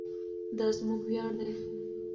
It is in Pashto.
دا زموږ ویاړ دی.